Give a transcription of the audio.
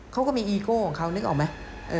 เขาก็มีอีโก้ของเขานึกออกไหม